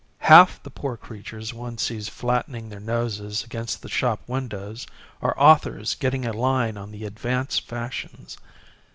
Half the poor creatures one sees flattening their noses against the shop windows are authors getting a line on the advance fashions.